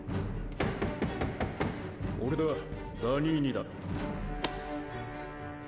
・・俺だザニーニだ。